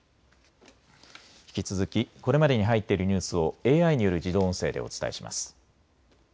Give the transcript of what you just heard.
引き続きこれまでに入っているニュースをＡＩによる自動音声でお伝えします。